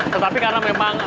tetapi karena memang